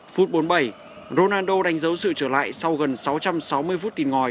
phút bốn mươi bảy ronaldo đánh dấu sự trở lại sau gần sáu trăm sáu mươi phút tìm ngồi